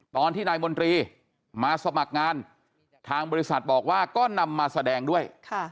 ตอนที่นายมนตรีมาสมัครงานทางบริษัทบอกว่าก็นำมาแสดงด้วย